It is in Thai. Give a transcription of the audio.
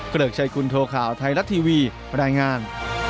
เกริกชัยคุณโทข่าวไทยรัฐทีวีรายงาน